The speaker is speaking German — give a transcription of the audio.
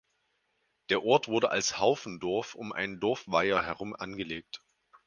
Der Ort wurde als Haufendorf um einen Dorfweiher herum angelegt.